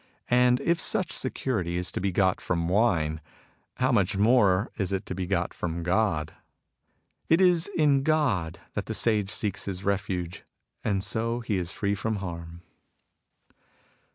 And if such security is to be got from wine, how much more is it to be got from God ? It is in God that the Sage seeks his refuge, and so he is free from harm.